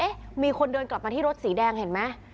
มีคนเดินกลับมาที่รถสีแดงเห็นไหม